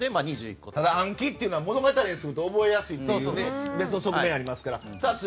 ただ、暗記というのは物語にすると覚えやすいという側面がありますから。